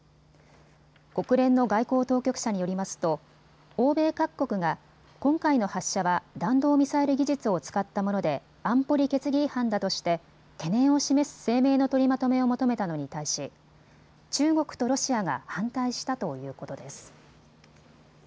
国連の外交当局者によりますと欧米各国が今回の発射は弾道ミサイル技術を使ったもので安保理決議違反だとして懸念を示す声明の取りまとめを求めたのに対し中国とロシアが反対したということです。